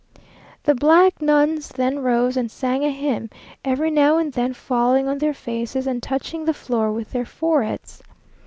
The black nuns then rose and sang a hymn, every now and then falling on their faces and touching the floor with their foreheads.